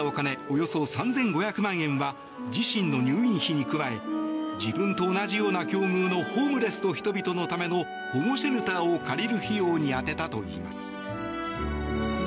およそ３５００万円は自身の入院費に加え自分と同じような境遇のホームレスの人々のための保護シェルターを借りる費用に充てたといいます。